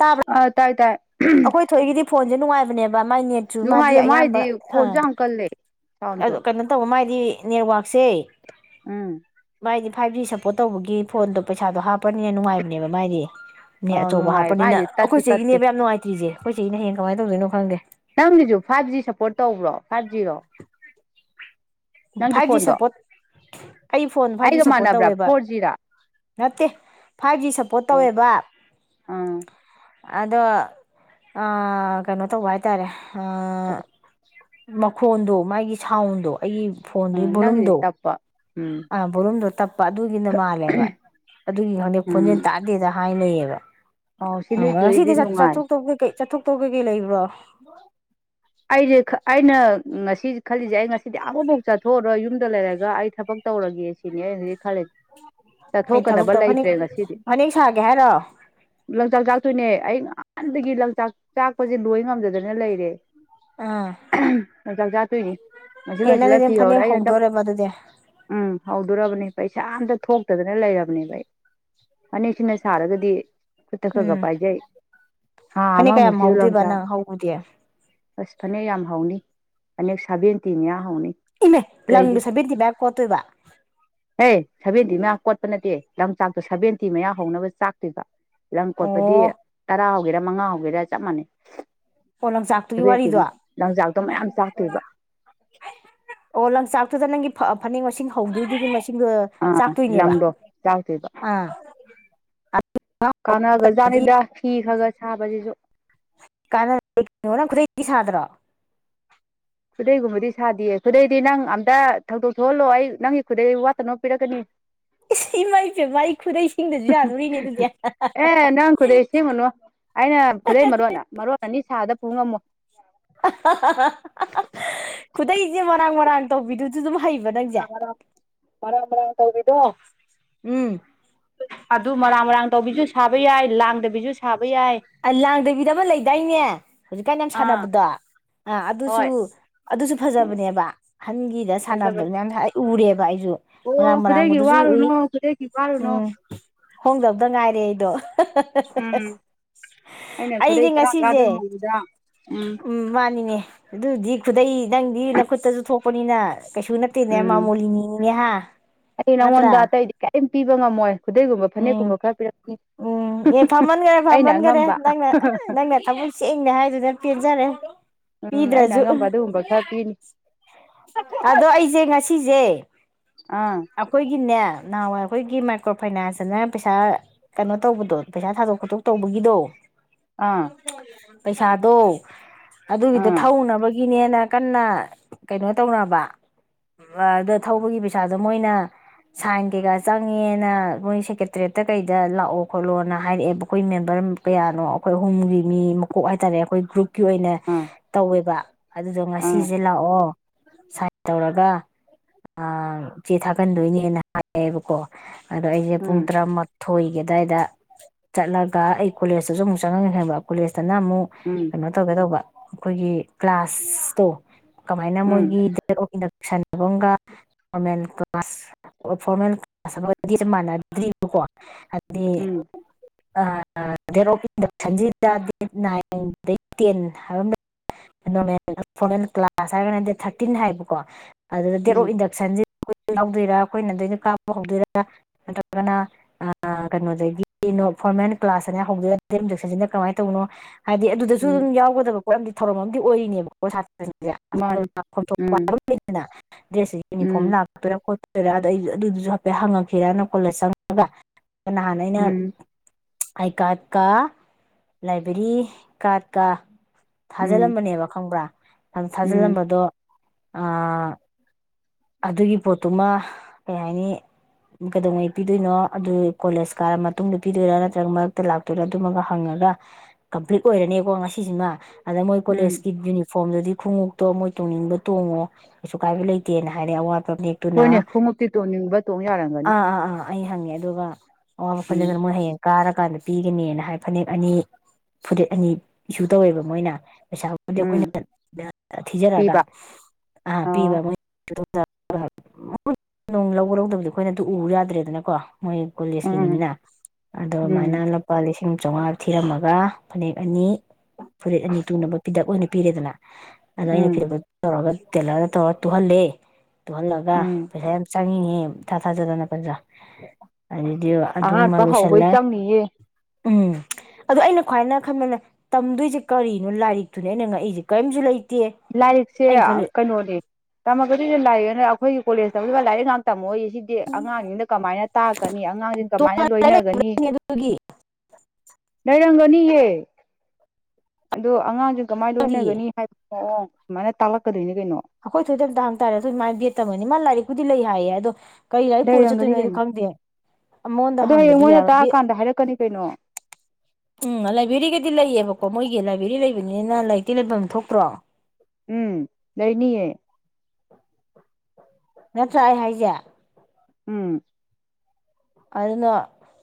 ꯇꯥꯕ꯭ꯔꯥ ꯑ ꯇꯥꯏ ꯇꯥꯏ ꯑꯩꯈꯣꯏ ꯊꯣꯛꯏꯒꯤꯗꯤ ꯐꯣꯟꯁꯦ ꯅꯨꯡꯉꯥꯏꯕꯅꯦꯕ ꯃꯥꯏ ꯅꯦꯠꯁꯨ ꯃꯥꯗꯤ ꯅꯨꯡꯉꯥꯏꯌꯦ ꯑꯌꯥꯝꯕ ꯃꯥꯏꯗꯤ ꯈꯣꯟꯁꯨ ꯑꯥ ꯌꯥꯝ ꯀꯜꯂꯦ ꯁꯥꯎꯟꯁꯨ ꯑꯗꯨ ꯀꯩꯅ ꯃꯥꯗꯤ ꯅꯦꯠꯋꯥꯛꯁꯦ ꯎꯝ ꯍꯥꯏꯥꯏꯗꯤ ꯐꯥꯏꯚ ꯖꯤ ꯁꯞꯄꯣꯔꯠ ꯇꯧꯕꯒꯤ ꯐꯣꯟꯗꯣ ꯄꯩꯁꯥꯗꯣ ꯍꯥꯞꯄꯅꯤꯅ ꯅꯨꯡꯉꯥꯏꯕꯅꯦꯕ ꯃꯥꯏꯗꯤ ꯅꯦ ꯑ ꯑꯆꯧꯕ ꯅꯨꯡꯉꯥꯏ ꯍꯥꯞꯄꯅꯤꯅ ꯃꯥꯏꯗꯤ ꯇꯠꯁꯨ ꯑꯩꯈꯣꯏ ꯇꯠꯇꯦ ꯆꯩꯒꯤꯅꯦꯕ ꯌꯥꯝ ꯅꯨꯡꯉꯥꯏꯇ꯭ꯔꯤꯁꯦ ꯑꯩꯈꯣꯏꯁꯤꯅ ꯍꯡ ꯀꯃꯥꯏꯅꯧꯗꯣꯏꯅꯣꯪꯗꯦ ꯅꯪꯒꯤꯁꯨ ꯐꯥꯏꯚ ꯖꯤ ꯁꯞꯄꯣꯔꯠ ꯇꯧꯕ꯭ꯔꯣ ꯁꯥꯖꯤꯔꯣ ꯐꯥꯏꯚ ꯖꯤ ꯁꯞꯄꯣꯔꯠ ꯑꯩ ꯐꯣꯟ ꯐꯥꯏꯚ ꯖꯤ ꯑꯩꯒ ꯁꯞꯄꯣꯔꯠ ꯃꯥꯟꯅꯕ꯭ꯔꯥ ꯇꯧꯋꯦꯕ ꯐꯣꯔ ꯖꯤꯔꯥ ꯅꯠꯇꯦ ꯐꯥꯏꯚ ꯖꯤ ꯁꯞꯄꯣꯔꯠ ꯑꯥ ꯇꯧꯋꯦꯕ ꯑꯥ ꯑꯗꯣ ꯀꯩꯅꯣ ꯇꯧꯕ ꯍꯥꯏꯇꯥꯔꯦ ꯍꯥꯥ ꯃꯈꯣꯟꯗꯣ ꯃꯥꯒꯤ ꯁꯥꯎꯟꯗꯣ ꯑꯩꯒꯤ ꯑꯥ ꯐꯣꯟꯗꯨꯒꯤ ꯅꯪꯒꯤꯗꯤ ꯕꯣꯂꯨꯝꯗꯣ ꯇꯞꯄ ꯎꯝ ꯑꯥ ꯕꯣꯔꯨꯝꯗꯣ ꯇꯞꯄ ꯑꯗꯨꯒꯤꯅ ꯃꯥꯜꯂꯦꯕ ꯑꯗꯨꯒꯤ ꯍꯧꯪꯗꯛ ꯐꯣꯟꯖꯦꯜ ꯎꯝ ꯇꯥꯗꯦꯗ ꯊꯥꯏꯅꯕ ꯑꯣ ꯁꯤ ꯁꯤꯗꯤ ꯅꯣꯏꯗꯨꯗꯤ ꯆꯠꯊ ꯅꯨꯡꯉꯥꯏ ꯆꯠꯊꯣꯛ ꯇꯧꯒ ꯀ ꯂꯩꯕ꯭ꯔꯥ ꯑꯗꯦ ꯈ ꯑꯩꯅ ꯉꯁꯤ ꯈꯜꯂꯤꯁꯦ ꯑꯩ ꯉꯁꯤꯗꯤ ꯑꯃꯐꯥꯎ ꯆꯠꯊꯣꯛꯑꯔꯒ ꯌꯨꯝꯗ ꯂꯩꯔꯒ ꯑꯩ ꯊꯕꯛ ꯇꯧꯔꯒꯦ ꯁꯤꯅꯤ ꯑꯩ ꯍꯧꯖꯤꯛ ꯈꯔꯦ ꯀꯩ ꯊꯕꯛ ꯆꯠꯊꯣꯛꯀꯗꯕ ꯇꯧ ꯐꯅꯦꯛ ꯂꯩꯇ꯭ꯔꯦ ꯉꯁꯤꯗꯤ ꯐꯅꯦꯛ ꯁꯥꯒꯦ ꯍꯥꯏꯔꯣ ꯂꯪꯆꯥꯛ ꯆꯥꯛꯇꯣꯏꯅꯦ ꯑꯩ ꯍꯥꯟꯅꯗꯒꯤ ꯂꯪꯆꯥꯛ ꯆꯥꯛꯄꯁꯦ ꯂꯣꯏ ꯉꯝꯖꯗꯅ ꯂꯩꯔꯦ ꯖ ꯀ ꯌꯦꯅ ꯑꯗꯨꯗꯅ ꯐꯅꯤ ꯍꯗꯣꯣꯔꯦ ꯃꯗꯨꯗꯤꯦ ꯔꯕꯅꯤ ꯄꯩꯁꯥ ꯑꯝꯇ ꯊꯣꯛꯇꯗꯅ ꯂꯩꯔꯕꯅꯦꯕ ꯐꯅꯦꯛꯁꯤꯅ ꯁꯥꯔꯒꯗꯤ ꯈꯇ ꯈꯒ ꯎꯝ ꯄꯥꯏꯖꯦ ꯍꯥ ꯑꯃ ꯐꯅꯦꯛ ꯀꯌꯥꯝ ꯃꯨꯁꯤ ꯍꯧꯗꯣꯏꯕ ꯂꯝꯆꯥ ꯅꯪ ꯍꯧꯕꯗꯤ ꯑꯁ ꯐꯅꯦꯛ ꯌꯥꯝ ꯍꯧꯥꯎꯏ ꯑꯦꯛꯛ ꯁꯕꯦꯟꯇꯅ ꯌꯥ ꯍꯅꯤ ꯏꯃꯦ ꯂꯅꯤꯡ ꯁꯕꯤꯔꯇꯕ ꯌꯥ ꯀꯣꯠꯇꯣꯏꯕ ꯍꯦ ꯁꯚꯦꯟꯇꯤ ꯃꯌꯥ ꯀꯣꯠꯄ ꯅꯠꯇꯦ ꯂꯝꯆꯥꯛꯇꯣ ꯁꯚꯦꯟꯇꯤ ꯃꯌꯥ ꯍꯧꯅꯕ ꯆꯥꯛꯇꯣꯏꯕ ꯂꯝ ꯂꯝ ꯀꯣꯠꯄꯗꯤ ꯑꯣ ꯇꯔꯥ ꯍꯧꯒꯦꯔꯥ ꯃꯉꯥ ꯍꯧꯒꯦꯔꯥ ꯆꯞ ꯃꯥꯟꯅꯩ ꯄꯣꯂꯛ ꯆꯥꯛ ꯊꯕꯦꯠꯇꯤꯅ ꯂꯟꯖꯥꯛꯇꯣ ꯃꯌꯥꯝ ꯆꯥꯛꯇꯣꯏꯕ ꯑꯣ ꯂꯪꯆꯥꯛꯇꯨꯗ ꯅꯪꯒꯤ ꯐꯅꯦꯛ ꯃꯁꯤꯡ ꯍꯧꯗꯣꯏꯗꯨꯔꯤꯕ ꯑꯥ ꯂꯪꯗꯣ ꯆꯥꯛꯗꯦꯕ ꯑꯥ ꯑꯗꯨꯗꯤ ꯀꯥꯟꯅꯒꯖꯥꯠꯅꯤꯗ ꯐꯤ ꯈꯔꯒ ꯁꯍꯕꯖꯦꯁꯨ ꯀꯥꯟꯅ ꯅꯪ ꯈꯨꯗꯩꯗꯤꯤ ꯁꯥꯗ꯭ꯔꯣ ꯈꯨꯗꯩꯒꯨꯝꯕꯗꯤ ꯁꯥꯗꯌꯦ ꯈꯨꯗꯩꯗꯤ ꯅꯪ ꯑꯝꯇ ꯊꯧꯗꯣꯛ ꯊꯣꯛꯍꯜꯂꯣ ꯑꯩ ꯅꯪꯒꯤ ꯈꯨꯗꯩ ꯋꯥꯠꯇꯅꯕꯣ ꯄꯤꯔꯛꯀꯅꯤ ꯏꯃꯥꯏꯁꯦ ꯃꯥꯏ ꯈꯨꯗꯩꯁꯤꯡꯗꯁꯨ ꯌꯥꯅꯨꯔꯤꯅꯦ ꯑꯗꯨꯗꯤ ꯑꯦ ꯅꯪ ꯈꯨꯗꯩ ꯁꯦꯝꯒꯅꯨ ꯑꯩꯅ ꯈꯨꯗꯩ ꯃꯔꯣꯟ ꯃꯔꯣꯟ ꯑꯅꯤ ꯁꯥꯕꯗ ꯄꯨ ꯉꯝꯃꯣꯏ ꯈꯨꯗꯩꯁꯦ ꯃꯔꯥꯡ ꯃꯔꯥꯡ ꯇꯧꯕꯤꯗꯨꯁꯨ ꯑꯗꯨꯝ ꯍ ꯗꯪꯖꯦ ꯍꯔꯕꯔ ꯇꯧꯕꯤꯗꯣ ꯎꯝ ꯑꯗꯨ ꯃꯔꯥꯡ ꯃꯔꯥꯡ ꯇꯧꯕꯤꯖ ꯁꯥꯕ ꯌꯥꯏ ꯂꯥꯡꯗꯕꯤꯁꯨ ꯁꯥꯕ ꯌꯥꯏ ꯑ ꯂꯥꯡꯗꯕꯤꯗꯕ ꯂꯩꯗꯥꯏꯅꯦ ꯍꯧꯖꯤꯛꯀꯥꯟ ꯌꯥꯝ ꯑꯥ ꯁꯥꯟꯅꯕꯗꯣ ꯑꯥ ꯑꯗꯨꯁꯨ ꯍꯣꯏ ꯑꯗꯨꯁꯨ ꯐꯖꯕꯅꯦꯕ ꯑꯍꯟꯒꯤꯗ ꯁꯥꯟꯅꯕ ꯐꯖꯕꯅꯤ ꯃꯌꯥꯝ ꯎꯔꯦꯕ ꯑꯩ ꯑꯩꯁꯨ ꯑꯣ ꯃꯔꯥꯡ ꯈꯨꯗꯩꯒꯤ ꯃꯔꯥꯡꯕꯗꯨꯁꯨ ꯎꯏ ꯋꯥꯔꯨꯅꯣ ꯈꯨꯗꯩꯒꯤ ꯋꯥꯔꯨꯅꯣ ꯎꯝ ꯍꯣꯡꯗꯕꯗ ꯉꯥꯏꯔꯦ ꯑꯩꯗꯣ [inaudible] ꯎꯝ ꯑꯩꯅ ꯑꯩꯗꯤ ꯈꯨꯗꯩ ꯇꯔꯥ ꯉꯁꯤꯁꯦ ꯀꯥꯗꯕ ꯃꯣꯂꯗ ꯎꯝ ꯅꯦ ꯑꯗꯨꯗꯤ ꯈꯨꯗꯩ ꯅꯪꯗꯤ ꯅ ꯈꯨꯠꯇꯁꯨ ꯊꯣꯛꯄꯅꯤꯅ ꯀꯩꯁꯨ ꯅꯠꯇꯦꯅꯦ ꯎꯝ ꯃꯥꯃꯣꯂꯤꯅꯤꯅꯦ ꯍꯥ ꯑꯩ ꯅꯠꯇ꯭ꯔꯥ ꯅꯉꯣꯟꯗ ꯑꯇꯩꯗꯤ ꯀꯔꯤꯝ ꯄꯤꯕ ꯉꯝꯃꯣꯏ ꯈꯨꯗꯩꯒꯨꯝꯕ ꯎꯝ ꯐꯅꯦꯛꯀꯨꯝꯕ ꯈꯔ ꯄꯤꯔꯛꯅꯤ ꯑꯩꯅ ꯈꯃꯟꯈꯔꯦ ꯑꯉꯝꯕ ꯅꯪꯅ ꯅꯪꯅ ꯊꯕꯛ ꯁꯦꯡꯅꯦ ꯍꯥꯏꯗꯨꯅ ꯄꯦꯟꯖꯔꯦ ꯎꯝ ꯑꯩꯅ ꯄꯤꯗ꯭ꯔꯁꯨ ꯑꯉꯝꯕ ꯑꯗꯨꯒꯨꯝꯕ ꯈꯔ ꯄꯤꯅꯤ ꯑꯗꯣ ꯑꯩꯁꯦ ꯉꯁꯤꯁꯦ ꯑꯥ ꯑꯩꯈꯣꯏꯒꯤꯅꯦ ꯅꯍꯥꯟꯋꯥꯏ ꯑꯩꯈꯣꯏꯒꯤ ꯃꯥꯏꯀ꯭ꯔꯣ ꯐꯥꯏꯅꯥꯟꯁꯇꯅ ꯄꯩꯁꯥ ꯀꯩꯅꯣ ꯇꯧꯕꯗꯣ ꯄꯩꯁꯥ ꯊꯥꯗꯣꯛ ꯈꯣꯇꯣꯛ ꯇꯧꯕꯒꯤꯗꯣ ꯍ ꯑꯥ ꯐ ꯄꯩꯁꯥꯗꯣ ꯑꯗꯨꯒꯤꯗꯣ ꯑꯥ ꯊꯧꯅꯕꯒꯤꯅꯦꯅ ꯀꯟꯅ ꯀꯩꯅꯣ ꯇꯧꯅꯕ ꯑꯗ ꯊꯧꯕꯒꯤ ꯄꯩꯁꯥꯗꯣ ꯃꯣꯏꯅ ꯁꯥꯏꯟ ꯀꯩꯀꯥ ꯆꯪꯉꯦꯅ ꯃꯣꯏ ꯁꯦꯀ꯭ꯔꯦꯇꯔꯦꯠꯇ ꯀꯩꯗ ꯂꯥꯛꯑꯣ ꯈꯣꯠꯂꯣꯅ ꯍꯥꯏꯔꯛꯑꯦꯕ ꯑꯩꯈꯣꯏ ꯃꯦꯝꯕꯔ ꯀꯌꯥꯅꯣ ꯑꯩꯈꯣꯏ ꯑꯍꯨꯝꯒꯤ ꯃꯤ ꯃꯀꯣꯛ ꯍꯥꯏꯇꯥꯔꯦ ꯑꯩꯈꯣꯏ ꯒ꯭ꯔꯨꯞ ꯀ ꯑꯣꯏꯅ ꯑꯥ ꯇꯧꯋꯦꯕ ꯑꯗꯨꯗꯣ ꯑꯥ ꯉꯁꯤꯁꯦ ꯂꯥꯛꯑꯣ ꯁꯥꯏꯟ ꯇꯧꯔꯒ ꯏꯆꯦ ꯊꯥꯛꯀꯟꯗꯣꯏꯅꯦꯅ ꯍꯥꯏꯌꯦꯕꯀꯣ ꯑꯗꯣ ꯑꯩꯁꯦ ꯎꯝ ꯄꯨꯡ ꯇꯔꯥꯃꯉ ꯊꯣꯏꯒꯦ ꯑꯗꯨꯏꯗ ꯆꯠꯂꯒ ꯑꯩ ꯀꯣꯂꯦꯖꯇꯁꯨ ꯑꯃꯨꯛ ꯆꯪꯉꯒ ꯍꯥꯏꯕ ꯀꯣꯂꯦꯖ ꯐꯖꯅ ꯑꯃꯨꯛ ꯎꯝ ꯀꯩꯅꯣ ꯇꯧꯒꯦ ꯇꯧꯕ ꯑꯩꯈꯣꯏꯒꯤ ꯀ꯭ꯂꯥꯁ ꯇꯣ ꯀꯃꯥꯏꯅ ꯎꯝ ꯃꯣꯏꯒꯤ ꯇꯁꯟꯅꯒꯨꯝꯒ ꯐꯣꯔꯃꯦꯜ ꯀ꯭ꯂꯥꯁ ꯐꯣꯔꯃꯦꯜ ꯀ꯭ꯂꯥꯁ ꯑꯗꯨꯗꯤ ꯃꯥꯟꯅꯗ꯭ꯔꯤꯕꯀꯣ ꯑꯗꯨꯗꯤ ꯎꯝ ꯗꯦꯠ ꯑꯣꯐ ꯏꯟꯗꯛꯁꯟꯁꯤꯗ ꯗꯦꯠ ꯅꯥꯏꯟ ꯇꯦꯟ ꯍꯥꯏꯕ ꯑꯃ ꯐꯣꯔ ꯀ꯭ꯂꯥꯁ ꯍꯥꯏꯔꯒꯅ ꯗꯦꯠ ꯊꯥꯔꯇꯤꯟ ꯍꯥꯏꯕꯀꯣ ꯑꯗꯨꯒ ꯗꯦꯠ ꯑꯣꯐ ꯎꯝ ꯏꯟꯗꯛꯁꯟꯁꯤ ꯌꯥꯗꯣꯏꯔꯥ ꯑꯩꯈꯣꯏꯅꯗꯩꯅ ꯀꯥꯞꯄ ꯍꯧꯗꯣꯏꯔꯥ ꯅꯠꯇ꯭ꯔꯒꯅ ꯀꯩꯅꯣꯗꯒꯤ ꯐꯣꯔꯃꯦꯜ ꯀ꯭ꯂꯥꯁ ꯍꯧꯗꯣꯏ ꯍꯧꯁꯁꯤꯅ ꯀꯃꯥꯏꯅ ꯇꯧꯅꯣ ꯍꯥꯏꯗꯤ ꯑꯗꯨꯗꯁꯨ ꯎꯝ ꯑꯗꯨꯝ ꯌꯥꯎꯒꯗꯕ ꯄꯣ ꯑꯃꯗꯤ ꯊꯧꯔꯝ ꯑꯃꯗꯤ ꯑꯣꯏꯔꯤꯅꯦꯕ ꯃꯥꯅꯤ ꯄꯣ ꯎꯝ ꯗ ꯗꯦꯁ ꯌꯨꯅꯤꯐꯣꯔꯝ ꯎꯝ ꯂꯥꯛꯣ ꯔ ꯑꯗ ꯑꯩ ꯑꯗꯨꯗꯨꯁꯨ ꯍꯥꯏꯐꯦꯠ ꯍꯪꯉꯛꯈꯤꯔꯅ ꯀꯣꯂꯦꯖ ꯆꯪꯉꯒ ꯀꯟꯅ ꯍꯅꯅ ꯎꯝ ꯑꯥꯏ ꯀꯥꯔꯗ ꯀꯥ ꯂꯥꯏꯕ꯭ꯔꯦꯔꯤ ꯀꯥꯔꯗ ꯀ ꯎꯝ ꯐꯥꯖꯤꯜꯂꯝꯕꯅꯦꯕ ꯈꯪꯕ꯭ꯔꯥ ꯑꯗ ꯎꯝ ꯊꯥꯖꯤꯜꯂꯝꯕꯗꯣ ꯑꯥ ꯑꯗꯨꯒꯤ ꯄꯣꯠꯇꯨꯃ ꯀꯩ ꯍꯥꯏꯅꯤ ꯀꯩꯗꯧꯉꯩ ꯄꯤꯗꯣꯏꯅꯣ ꯑꯗꯨ ꯀꯣꯂꯦꯖ ꯀꯥꯔ ꯃꯇꯨꯡꯗ ꯄꯤꯗꯣꯏꯔꯥ ꯅꯠꯇ꯭ꯔꯒ ꯃꯔꯛꯇ ꯂꯥꯛꯇꯣꯏꯔꯥ ꯑꯗꯨꯃꯒ ꯍꯪꯉꯒ ꯀꯝꯄ꯭ꯂꯤꯠ ꯑꯣꯏꯔꯅꯤꯀꯣ ꯉꯁꯤꯁꯤꯃ ꯑꯗ ꯃꯣꯏ ꯀꯣꯦꯁ ꯎꯝ ꯀꯀꯤꯅꯤ ꯐꯣꯝꯗꯗꯤ ꯈꯣꯡꯉꯣꯛꯇꯣ ꯃꯣꯏ ꯇꯣꯡꯅꯤꯡꯕ ꯇꯣꯡꯉꯣ ꯀꯩꯁꯨ ꯀꯥꯏꯕ ꯂꯩꯇꯦꯅ ꯍꯥꯏꯔꯦꯋꯥ ꯍꯣꯏꯅꯦ ꯈꯣꯡꯎꯞꯇꯤ ꯇꯣꯡꯅꯤꯡꯕ ꯇꯣꯡ ꯌꯥꯔꯝꯒꯅꯤ ꯑꯥ ꯑꯥ ꯑꯥ ꯑꯩ ꯍꯪꯉꯦ ꯑꯗꯨꯒ ꯋꯥ ꯎꯝ ꯄꯜꯦꯗꯔ ꯃ ꯍꯌꯦꯦ ꯀꯥꯔꯀꯥꯟꯗ ꯄꯤꯒꯅꯦꯅ ꯍꯥꯏ ꯐꯅꯦꯛ ꯑꯅꯤ ꯐꯨꯔꯤꯠ ꯑꯅꯤ ꯏꯁꯨ ꯇꯧꯋꯦꯕ ꯃꯣꯏꯅ ꯄꯩꯁꯥꯒꯕꯨꯕꯗꯤ ꯎꯝ ꯑꯩꯈꯣꯏꯅ ꯊꯤꯖꯔꯒ ꯄꯤꯕ ꯑ ꯄꯤꯕ ꯑꯣ ꯃꯣꯏ ꯂꯧꯕꯔ ꯂꯧꯗꯕꯗꯤ ꯑꯩꯈꯣꯏꯅ ꯑꯗꯨ ꯎ ꯌꯥꯗ꯭ꯔꯦꯗꯅꯀꯣ ꯃꯣꯏ ꯎꯝ ꯀꯣꯂꯦꯖꯀꯤꯅꯤꯅꯤꯅ ꯑꯗꯨꯃꯥꯏꯅ ꯎꯝ ꯂꯨꯄꯥ ꯂꯤꯁꯤꯡ ꯏꯁꯤꯡꯨꯝ ꯆꯥꯝꯃꯉꯥꯗ ꯊꯤꯔꯝꯃꯒ ꯐꯅꯦꯛ ꯑꯅꯤ ꯐꯨꯔꯤꯠ ꯑꯅꯤ ꯇꯨꯅꯕ ꯄꯤꯗꯛ ꯑꯣꯏꯅ ꯄꯤꯔꯦꯗꯅ ꯑꯗ ꯑꯩꯅ ꯎꯝ ꯐꯤꯕ ꯇꯧꯔꯒ ꯇꯂꯅ ꯇꯧꯔ ꯇꯨꯍꯜꯂꯦ ꯍ ꯇꯨꯍꯜꯂꯒ ꯎꯝ ꯄꯩꯁꯥ ꯌꯥꯝ ꯆꯪꯉꯅꯦꯍꯦ ꯆꯥ ꯊꯥꯖꯗꯅ ꯐꯖꯥ ꯑꯍꯥꯟꯕ ꯍꯧꯕꯩ ꯆꯪꯉꯌꯦ ꯎꯝ ꯑꯗꯣ ꯑꯩꯅ ꯈ꯭ꯋꯥꯏꯅ ꯈꯟꯕꯅꯦ ꯇꯝꯗꯣꯏꯁꯦ ꯀꯔꯤꯅꯣ ꯂꯥꯏꯔꯤꯛꯇꯨꯅꯦ ꯑꯩꯅ ꯉꯛꯏꯁꯦ ꯀꯔꯤꯝꯁꯨ ꯂꯩ ꯂꯥꯏꯔꯤꯛꯁꯦ ꯀꯩꯅꯣꯅꯦ ꯑꯗꯨ ꯂꯥꯏꯑꯦꯅ ꯑꯩꯈꯣꯏꯒꯤ ꯀꯣꯂꯦꯖ ꯇꯧꯗ ꯂꯥꯏꯛꯥꯛ ꯇꯝꯃꯣꯏꯌꯦ ꯁꯤꯗꯤ ꯑꯉꯥꯡꯁꯤꯡꯗ ꯀꯃꯥꯏꯅ ꯇꯥꯛꯀꯅꯤ ꯑꯉꯥꯡꯁꯤꯡꯅ ꯀꯃꯥꯏꯅ ꯇꯣꯉꯥꯟꯅ ꯂꯣꯏꯅꯒꯅꯤ ꯂꯩꯕꯅꯤ ꯑꯗꯨꯒꯤ ꯂꯩꯔꯝꯒꯅꯤ ꯑꯗꯨꯣ ꯑꯉꯥꯡꯁꯨ ꯀꯃꯥꯏ ꯂꯣꯏꯅꯒꯅꯤ ꯑꯩꯈꯣꯏ ꯍꯥꯏꯕ ꯑꯣ ꯃꯅ ꯇꯂꯛ ꯀꯗꯣꯏꯅꯤ ꯑꯩꯈꯣꯏ ꯊꯣꯏꯗꯝ ꯍꯪꯇꯥꯔꯦ ꯑꯗꯨꯣꯏ ꯃꯥꯥꯏ ꯕꯦꯠꯇꯝꯅꯤ ꯃꯥ ꯂꯥꯏꯔꯤꯛ ꯗꯤ ꯂꯩ ꯍꯥꯏꯌꯦꯗꯣ ꯀꯔꯤ ꯂꯥꯏꯔꯤ ꯄꯨꯔ ꯆꯠꯇꯣꯏꯅꯣ ꯂꯩꯔꯝꯒꯅꯤ ꯑꯩꯅꯣ ꯀꯩꯅꯣ ꯈꯪꯗꯦ ꯑꯃꯉꯣꯟꯗ ꯑꯗꯣ ꯍꯌꯦꯡ ꯍꯪꯒꯗꯤ ꯃꯣꯏꯅ ꯌꯥꯔꯒ ꯇꯥꯛꯑꯀꯥꯟꯗ ꯍꯥꯏꯔꯛꯀꯅꯤ ꯀꯩꯅꯣ ꯎꯝ ꯂꯥꯏꯕ꯭ꯔꯦꯔꯤꯒꯗꯤ ꯂꯩꯌꯦꯕꯀꯣ ꯑꯣ ꯃꯣꯏꯒꯤ ꯂꯥꯏꯕ꯭ꯔꯦꯔꯤ ꯂꯩꯕꯅꯤꯅ ꯂꯥꯏꯔꯤꯛꯇꯤ ꯂꯩꯐꯝ ꯑꯃ ꯊꯣꯛꯇ꯭ꯔꯣ ꯎꯝ ꯂꯩꯅꯤꯌꯦ ꯅꯠꯇ꯭ꯔ ꯑꯩ ꯍꯥꯏꯖꯦ ꯎꯝ ꯑꯗꯨꯅ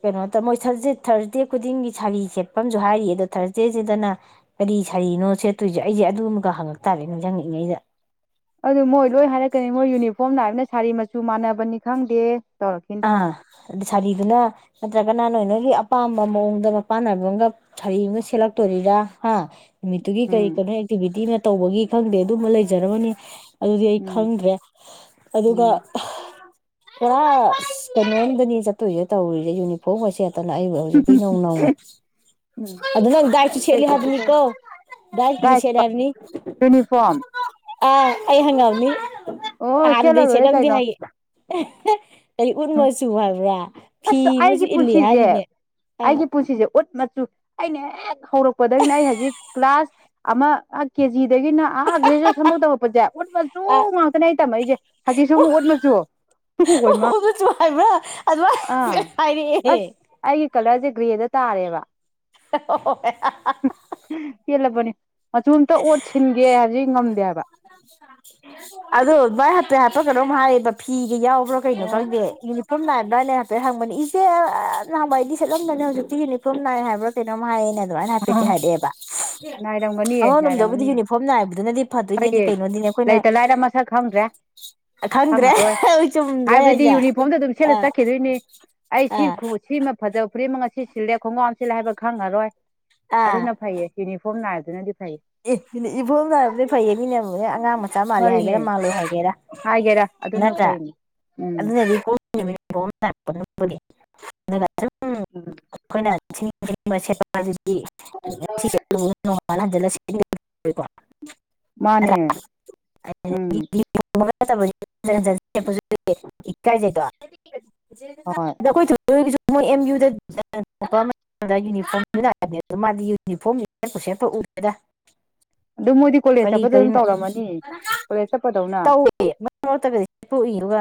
ꯀꯩꯅꯣ ꯇꯧꯃꯣꯏ ꯊ ꯊꯥꯔꯁꯗꯦ ꯈꯨꯗꯤꯡꯒꯤ ꯁꯥꯔꯤ ꯁꯦꯠꯄ ꯑꯨ ꯍꯥꯏꯔꯤ ꯑꯗꯣ ꯊꯥꯔꯁꯗꯦꯁꯤꯗꯅ ꯀꯔꯤ ꯁꯥꯔꯤꯅꯣ ꯁꯦꯠꯇꯣꯏꯁꯦ ꯑꯩꯁꯦ ꯑꯗꯨꯨꯝꯒ ꯍꯪꯉꯛ ꯇꯥꯔꯦ ꯅꯤꯡꯁꯤꯡꯪꯏꯉꯩꯗ ꯑꯗꯨ ꯃꯣꯏ ꯂꯣꯏ ꯍꯥꯏꯔꯛꯀꯅꯤ ꯃꯣꯏ ꯌꯨꯅꯤꯐꯣꯔꯝ ꯅꯥ ꯍꯥꯏꯕꯅ ꯁꯥꯔꯤ ꯃꯆꯨ ꯃꯥꯟꯅꯕꯅꯤ ꯈꯪꯗꯦ ꯇꯧꯔꯛꯈꯤꯅꯤ ꯑꯥ ꯑꯗꯨ ꯁꯔꯤꯗꯅ ꯅꯠꯇ꯭ꯔꯒꯅꯍ ꯅꯣꯏ ꯅꯣꯏꯒꯤ ꯑꯄꯥꯝꯕ ꯃꯑꯣꯡꯗ ꯃꯄꯥꯟꯅꯕ ꯑꯃꯒ ꯊꯔꯤ ꯑꯃꯒ ꯁꯦꯠꯂꯛꯇꯣꯔꯤꯔ ꯍꯥ ꯅꯨꯃꯤꯠꯇꯨꯒꯤ ꯀꯔꯤ ꯎꯝ ꯀꯩꯅꯣ ꯑꯦꯛꯇꯤꯚꯤꯇꯤ ꯑꯃ ꯇꯧꯕꯒꯤ ꯈꯪꯗꯦ ꯑꯗꯨꯝꯕ ꯂꯩꯖꯔꯕꯅꯤ ꯑꯗꯨꯗꯤ ꯑꯩ ꯎꯝ ꯈꯪꯗ꯭ꯔꯦ ꯑꯗꯨꯒ ꯎꯝ ꯄꯨꯔ ꯀꯩꯅꯣꯝꯗꯅꯤ ꯆꯠꯇꯣꯏꯁꯦ ꯇꯧꯔꯤꯁꯦ ꯌꯨꯅꯤꯐꯣꯔꯝꯁꯦ ꯠꯇꯅ ꯑꯩꯕꯨ ꯍꯧꯖꯤꯛꯄꯨ ꯏꯅꯧ ꯅꯧꯅ ꯎꯝ ꯑꯗꯨ ꯅꯪ ꯗꯥꯏꯔꯤꯁꯨ ꯁꯦꯠꯂꯤꯦ ꯀꯩꯁꯨ ꯇꯧ ꯍꯥꯏꯕꯅꯤꯀꯣ ꯗꯥꯏꯔꯤꯛꯀꯤꯁꯨ ꯁꯦꯠꯂꯦ ꯗꯥꯏꯁ ꯍꯥꯏꯕꯅꯤ ꯌꯨꯅꯤꯐꯣꯔꯝ ꯑꯥ ꯑꯩ ꯍꯪꯒꯥꯥꯎꯅꯤ ꯑꯣ ꯁꯤꯂꯔ ꯑꯣꯏꯔꯦ ꯀꯥꯏꯅꯣ [inaudible] ꯀꯔꯤ ꯎꯠꯃꯁꯨꯨ ꯍꯥꯏꯕ꯭ꯔꯥ ꯐꯤ ꯑꯁ ꯑꯃꯁꯨ ꯑꯩꯒꯤ ꯏꯜꯂꯤ ꯄꯨꯟꯁꯤꯁꯦ ꯍꯥꯏꯔꯤꯅꯦ ꯑꯥ ꯑꯩꯒꯤ ꯄꯨꯟꯁꯤꯁꯦ ꯎꯠ ꯃꯆꯨ ꯑꯩꯅ ꯍꯧꯔꯛꯄꯗꯒꯤꯅ ꯑꯩ ꯍꯧꯖꯤꯛ ꯀ꯭ꯂꯥꯁ ꯑꯃ ꯀꯦꯖꯤ ꯑꯗꯒꯤꯅ ꯑꯥ ꯒ꯭ꯔꯦꯖꯨꯋꯦꯁꯟꯐ ꯇꯧꯔꯛꯄꯁꯦ ꯎꯠꯂꯁꯨ ꯑꯥ ꯉꯥꯛꯇꯅꯦ ꯑꯩ ꯇꯝꯃꯛꯏꯁꯦ ꯍꯧꯖꯤꯛꯁꯨ ꯑꯃꯨꯛ ꯎꯠꯃꯁꯨ ꯑꯗꯨ ꯑꯣꯏꯃ ꯎꯗꯨꯁꯨ ꯍꯥꯏꯕ꯭ꯔꯥ ꯑꯗꯨꯃꯥꯏꯅ ꯑꯁ ꯍꯥꯏꯔꯛꯑꯦ ꯍꯥꯏꯒꯤ ꯀꯂ ꯁꯦ ꯒ꯭ꯔꯦꯗ ꯇꯥꯔꯦꯕ ꯑꯣ ꯃꯆꯇ ꯑꯣꯠ ꯁꯤꯟꯒꯦ ꯍꯥꯏꯕꯁꯤ ꯉꯝꯗꯦ ꯍꯥꯏꯕ ꯑꯗ ꯚꯏ ꯍ ꯍꯥꯞꯠꯇ ꯀꯗꯣꯝ ꯍꯥꯏꯌꯦꯕ ꯐꯤꯒ ꯌꯥꯎꯕ ꯭ꯔꯥ ꯀꯩꯅꯣ ꯑꯣ ꯆꯪꯗꯦ ꯐꯣꯔꯝ ꯅꯥꯏꯕ꯭ꯔꯏꯅꯦ ꯍꯥꯏꯐꯦꯠ ꯍꯪꯕꯅ ꯏꯦ ꯍꯪꯕ ꯑꯩꯗꯤ ꯁꯦꯠꯂꯝꯗꯅꯦ ꯍꯧꯖꯤꯛꯇꯤ ꯌꯨꯅꯤꯐꯣꯔꯝ ꯅꯥꯏ ꯍꯥꯏꯕ꯭ꯔꯥ ꯀꯩꯅꯣꯝ ꯍꯥꯏꯌꯦꯅꯦꯕ ꯑꯗꯨꯥꯏ ꯍꯥꯄꯤꯦ ꯊ ꯍꯥꯏꯗꯦꯕꯕꯥ ꯑꯉꯛ ꯝꯗꯕꯨꯗꯤ ꯌꯨꯅꯤꯐꯣꯔꯝ ꯅꯥꯏꯕꯗꯤ ꯍꯣꯏꯌꯦ ꯂꯩꯇ ꯂꯥꯏꯔ ꯃꯁꯛ ꯈꯪꯗ꯭ꯔꯦ ꯈꯪꯗ꯭ꯔꯦ ꯈꯪꯉꯔꯣꯏ ꯆꯨꯝꯗ꯭ꯔꯣ ꯑꯩ ꯍꯥꯏꯕꯗꯤ ꯍꯥꯏꯁꯦ ꯌꯨꯅꯤꯐꯣꯔꯝꯗ ꯑꯗꯨꯝ ꯁꯦꯠꯂ ꯑꯥ ꯆꯠꯈꯤꯗꯣꯏꯅꯤ ꯑꯩ ꯁꯤ ꯑꯥ ꯁꯤꯃ ꯐꯖꯕ ꯄꯨꯈ꯭ꯔꯤꯃ ꯑꯁꯤ ꯁꯤꯜꯂꯦ ꯈꯣꯡꯒ꯭ꯔꯥꯎꯝ ꯁꯤꯜꯂꯦ ꯍꯥꯏꯕ ꯈꯪꯉꯔꯣꯏ ꯑꯥ ꯑꯗꯨꯗ ꯅ ꯐꯥꯏꯌꯦ ꯌꯨꯅꯤꯐꯣꯔꯝꯅꯥꯏꯗꯅꯗꯤ ꯑꯦ ꯏꯐꯣ ꯅꯥꯔꯛꯄꯗꯤ ꯐꯩꯌꯦ ꯃꯤꯅ ꯑꯉꯥꯡ ꯃꯆꯥ ꯃꯥꯜꯂꯦ ꯐꯔꯤꯅꯦ ꯍꯥꯏꯒꯦꯔꯥ ꯃꯥꯜꯂꯦ ꯍꯥꯏꯒꯦꯔꯥ ꯍꯥꯏꯒꯦꯔꯥ ꯑꯗꯨꯅ ꯅꯠꯇ꯭ꯔꯥ ꯐꯩꯅꯦ ꯎꯝ ꯑꯗꯨꯅꯗꯤ ꯅꯨꯔꯛꯄ ꯑ ꯈꯩꯅ ꯦ ꯄꯄꯥ ꯊ ꯐꯥꯟꯖꯂꯁꯤ ꯀꯣ ꯃꯥꯅꯦ ꯎꯝ ꯦꯄ ꯀꯥꯏꯗꯦꯗꯣ ꯍꯣꯏ ꯣꯏ ꯑꯗꯨꯣꯏ ꯑꯦꯝ ꯌꯨꯗꯅꯤꯝ ꯁꯦꯠꯄ ꯁꯦꯠꯄ ꯎꯦ ꯑꯣꯗ ꯑꯗꯨ ꯃꯣꯏꯗꯤ ꯀꯣꯂꯦꯖ ꯀꯔꯤ ꯆꯠꯄꯗ ꯑꯗꯨꯝ ꯀꯔꯤꯅ ꯇꯧꯔꯝꯃꯅꯤ ꯀꯣꯂꯦꯖ ꯆꯠꯄꯗꯧꯅ ꯇꯧꯏ ꯃꯔ ꯃꯔꯣꯛꯏ ꯑꯗꯨꯒ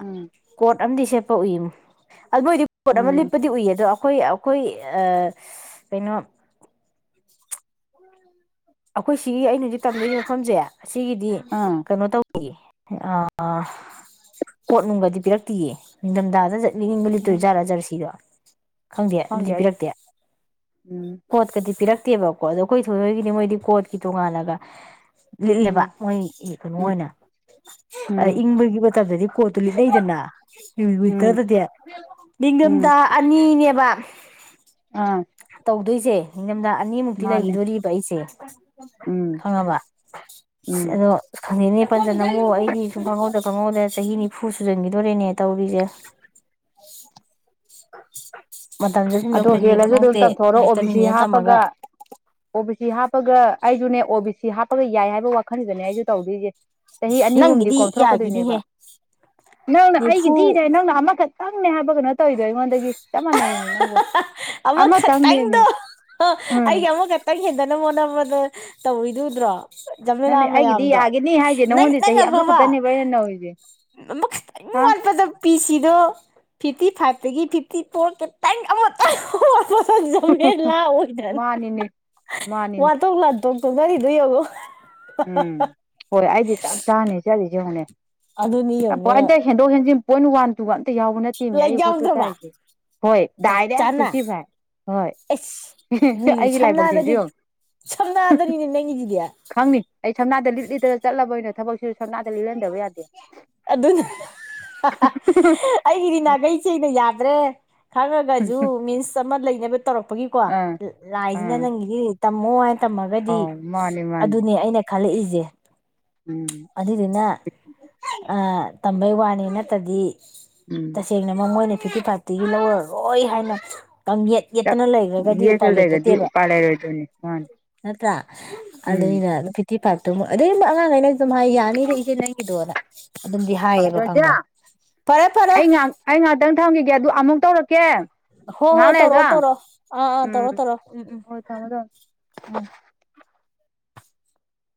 ꯎꯝ ꯀꯠ ꯑꯗꯨꯝꯗꯤ ꯁꯦꯠꯄ ꯎꯏꯨ ꯑꯗꯨ ꯑꯣꯏꯗꯤ ꯄꯣꯠ ꯑꯃ ꯎꯝ ꯂꯤꯞꯄꯗꯤ ꯎꯏꯌꯦꯗꯣ ꯑꯩꯈꯣꯏ ꯑꯩꯈꯣꯏ ꯀꯩꯅꯣ ꯑꯩꯈꯣꯏ ꯁꯤꯒꯤ ꯑꯩꯅ ꯍꯧꯖꯤꯛ ꯇꯝꯖꯔꯤ ꯃꯐꯝꯁꯦ ꯑꯁꯤꯒꯤꯗꯤ ꯑꯥ ꯀꯩꯅꯣ ꯇꯧ ꯀꯣꯠꯅꯨꯡꯒꯗꯤ ꯄꯤꯔꯛꯇꯤꯌꯦ ꯅꯤꯡꯊꯝꯊꯥꯗꯠ ꯅꯤꯡ ꯂꯤꯇꯣ ꯎꯝ ꯖꯔꯖꯔꯁꯤꯔꯣ ꯈꯪꯗꯦ ꯑꯗꯨꯗꯤ ꯄꯤꯔꯛꯇꯦ ꯎꯝ ꯄꯣꯠꯀꯗꯤ ꯄꯤꯔ ꯅꯠꯇꯦꯕꯀꯣ ꯑꯗꯣ ꯑꯩꯈꯣꯏꯅꯣꯏꯒꯤꯅꯤ ꯃꯣꯏꯗꯤ ꯀꯣꯠꯒꯤꯇꯣꯡꯒꯅꯒ ꯂꯤꯠꯂꯦꯕ ꯎꯝ ꯃꯣꯏ ꯀꯩꯅꯣ ꯎꯝ ꯑꯣꯏꯅ ꯎꯝ ꯏꯪꯕꯒꯤ ꯃꯇꯝꯗꯗꯤ ꯀꯣꯠꯇꯨ ꯂꯤꯠꯅꯩꯗꯅ ꯎꯝ ꯋꯤꯟꯇꯔꯗꯗꯤ ꯎꯝ ꯅꯤꯡꯊꯝꯊꯥ ꯑꯅꯤꯅꯦꯕ ꯑꯥ ꯇꯧꯗꯣꯏꯁꯦ ꯆꯊꯝꯗ ꯑꯅꯤꯃꯨꯛꯇꯤ ꯃꯥꯅꯦ ꯂꯩꯈꯤꯗꯣꯔꯤꯕ ꯑꯩꯁꯦ ꯎꯝ ꯈꯪꯉꯕ ꯎꯝ ꯑꯗꯣ ꯈꯪꯉꯤꯅꯦ ꯐꯟꯗ ꯅꯪꯉꯛꯣ ꯑꯩꯗꯤ ꯁꯨꯝ ꯈꯪꯍꯧꯗ ꯈꯪꯍꯧꯗ ꯆꯍꯤ ꯅꯤꯐꯨ ꯁꯨꯖꯟꯈꯤꯗꯣꯔꯦꯅꯦ ꯇꯧꯔꯤꯁꯦ ꯃꯇꯝꯁꯦ ꯁꯨꯝ ꯑꯗꯣ ꯌꯧꯁꯟꯒꯤ ꯍꯦꯜꯂꯁꯨ ꯑꯗꯨꯝ ꯈꯪꯍꯧꯗꯦ ꯇꯝꯊꯣꯛꯔꯣ ꯂꯥꯏꯔꯤꯛ ꯑꯣ ꯕꯤ ꯁꯤ ꯇꯝꯃꯤꯅꯦ ꯇꯝꯃꯒ ꯍꯥꯞꯄꯒ ꯑꯣ ꯕꯤ ꯁꯤ ꯍꯥꯞꯄꯒ ꯑꯩꯁꯨꯅꯦ ꯑꯣ ꯕꯤ ꯁꯤ ꯍꯥꯞꯄꯒ ꯌꯥꯏ ꯍꯥꯏꯕ ꯋꯥꯈꯜꯗꯨꯅꯦ ꯑꯩꯁꯨ ꯇꯧꯗꯣꯏꯔꯤꯁꯦ ꯆꯍꯤ ꯑꯅꯤ ꯑꯍꯨꯝꯗꯤ ꯅꯪꯒꯤꯗꯤ ꯌꯥꯒꯤꯅꯤꯍꯦ ꯀꯣꯝꯊꯣꯔꯛꯀꯗꯣꯏꯅꯦꯕ ꯅꯪꯅ ꯅꯤꯐꯨ ꯑꯩꯒꯤꯗꯤꯗ ꯅꯪꯅ ꯑꯃꯈꯛ ꯅꯪꯅꯦ ꯍꯥꯏꯕ ꯀꯩꯅꯣ ꯇꯧꯔꯤꯗꯣ ꯑꯩꯉꯣꯟꯗꯒꯤ ꯇꯥ ꯃꯅꯦꯃꯤꯅꯕꯣ ꯑꯃꯃ ꯀ ꯇꯗꯣ ꯎꯝ ꯑꯩ ꯑꯃꯃ ꯀꯠꯇꯪꯗ ꯅꯅ ꯍꯣ ꯑꯃꯗ ꯇꯧꯤꯗꯨꯗ꯭ꯔꯣ ꯖꯂꯂꯥ ꯅꯪꯅꯦ ꯑꯩꯒꯤꯗꯤ ꯃꯌꯥꯝꯗꯣ ꯌꯥꯒꯤꯅꯤ ꯍꯥꯏꯁꯦ ꯅꯪ ꯅꯪꯉꯣꯟꯗ ꯅꯪ ꯆꯍꯤ ꯑꯀꯕ ꯑꯃꯈꯛꯇꯅꯦꯕ ꯑꯩꯅ ꯅꯧꯔꯤꯁꯦ ꯈꯤꯇꯪ ꯍꯥ ꯋꯥꯠꯄꯗ ꯄꯤꯁꯤ ꯣ ꯐꯤꯇꯤ ꯐꯥꯠꯇꯒꯤ ꯐꯤ ꯄꯣ ꯇꯪ ꯑꯃꯇ ꯂꯥꯛꯑꯣꯏꯗꯅ ꯃꯥꯅꯤꯅꯦ ꯃꯥꯅꯤꯅꯦ ꯋꯥꯊꯣꯛ ꯇ ꯉꯔꯤꯗꯏꯕꯨꯣ ꯎꯝ ꯍꯣꯏ ꯑꯩꯗꯤ ꯆꯞ ꯆꯥꯅꯤ ꯆꯦꯗꯤ ꯌꯦꯡꯉꯅꯦ ꯑꯗꯨꯅꯤ ꯌꯦꯡꯉꯨꯅꯦ ꯑ ꯑꯗ ꯅꯪ ꯍꯦꯟꯗꯣ ꯍꯦꯟꯖꯤ ꯄꯣꯏꯟ ꯋꯥꯟ ꯇꯨ ꯋꯥꯟ ꯠꯇ ꯌꯥꯎꯕ ꯅꯠꯇꯦꯅꯦ ꯂꯩ ꯑꯩ ꯍꯣꯠꯇ ꯇ ꯌꯥꯎꯗ꯭ꯔꯕ ꯍꯥꯏꯁꯦ ꯍꯣꯏ ꯆꯞ ꯗꯥꯏꯔꯦꯛ ꯆꯥꯅ ꯐꯤꯐꯇꯤ ꯐꯥꯏꯚ ꯍꯣꯏ ꯑꯩꯁ ꯅꯣꯏ ꯑꯩꯒꯤ ꯂꯥꯏꯕꯛꯁꯤꯁꯨ ꯁꯝꯅꯗꯗꯤ ꯌꯦꯡꯉ ꯁꯝꯅꯗꯔꯤꯅꯦ ꯅꯪꯒꯤꯁꯤꯗꯤ ꯈꯪꯅꯤ ꯑꯩ ꯁꯝꯅꯥꯗ ꯂꯤꯠ ꯂꯤꯗꯅ ꯆꯠꯂꯕꯣꯏ ꯑꯣꯏꯅ ꯀꯁ ꯁ ꯑꯗꯨꯅ ꯑꯩꯒꯤꯗꯤ ꯅꯥꯈꯩꯆꯦꯩꯅ ꯌꯥꯗ꯭ꯔꯦ ꯈꯪꯉꯒꯁꯨ ꯃꯤꯟꯁ ꯑꯃ ꯂꯩꯅꯕ ꯇꯧꯔꯛꯄꯒꯤꯀꯣ ꯑꯥ ꯂꯥꯏꯁꯤꯅ ꯑꯥ ꯅꯪꯒꯤꯗꯤ ꯇꯃꯣ ꯇꯝꯃꯒꯗꯤ ꯑꯥꯎ ꯃꯥꯅꯤ ꯃꯥꯅꯤ ꯑꯗꯨꯅꯦ ꯑꯩꯅ ꯈꯜꯂꯛꯏꯁꯦ ꯎꯝ ꯑꯅꯤꯗꯅꯥ ꯇꯝꯕꯩ ꯋꯥꯅꯤ ꯅꯠꯇꯗꯤ ꯎꯝ ꯇꯁꯦꯡꯅ ꯃꯃꯣꯏꯅ ꯐꯤꯞꯇꯤ ꯐꯥꯏꯚꯇꯒꯤ ꯂꯧꯔꯔꯣꯏ ꯍꯥꯏꯅ ꯀꯪ ꯌꯦꯠ ꯇꯛ ꯌꯦꯠꯇꯅ ꯂꯩꯈ꯭ꯔꯒꯗꯤ ꯌꯦꯛꯒ ꯎꯄꯥꯏ ꯂꯩꯔꯗꯤ ꯂꯩꯄꯣꯠꯇꯦꯕ ꯎꯄꯥꯏ ꯂꯩꯔꯣꯏꯗꯣꯏꯅꯤ ꯃꯥꯅꯤ ꯅꯠꯇ꯭ꯔꯥ ꯎꯝ ꯑꯗꯨꯅꯤꯅ ꯐꯤꯐꯇꯤ ꯐꯥꯏꯚ ꯑꯗꯨ ꯁꯃꯥꯏ ꯌꯥꯅꯤꯔ ꯍꯒ ꯅꯪꯗ ꯑꯂ ꯁꯤꯔ ꯐꯔꯦ ꯐꯔꯦ ꯑꯩ ꯉꯍ ꯑꯩ ꯉꯍꯥꯛꯇꯪ ꯊꯝꯈꯤꯒꯦ ꯑꯃꯨꯛ ꯇꯧꯔꯛꯀꯦ ꯍꯣꯏ ꯉꯍꯥꯛ ꯍꯣꯏ ꯂꯩꯔꯒ ꯇꯧꯔꯛꯑꯣ ꯇꯧꯔꯣꯑꯣ ꯑꯥ ꯑꯥ ꯎꯝ ꯇꯧꯔꯣ ꯇꯧꯔꯣ ꯎꯝ ꯎꯝ ꯍꯣꯏ ꯊꯝꯃꯣ ꯊꯝꯃꯣ ꯎꯝ